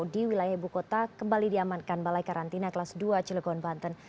di wilayah ibu kota kembali diamankan balai karantina kelas dua cilegon banten